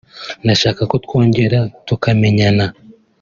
ndashaka ko twongera tukamenyana